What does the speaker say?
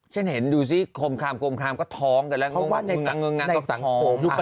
ฉันเห็นดูสิโครงคารมก็ท้องกันแล้วเงางงักก็ท้อง